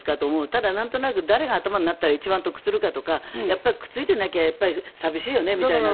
ただなんとなく誰が頭になったら一番得するかとかくっついてなきゃ寂しいよねみたいな。